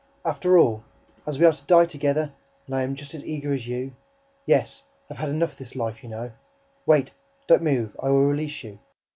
"After all, as we are to die together ... and I am just as eager as you ... yes, I have had enough of this life, you know... Wait, don't move, I will release you